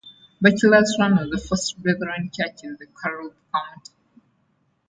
Bachelor's Run was the first Brethren Church in Carroll County.